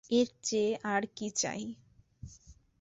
এর চেয়ে আর কী চাই।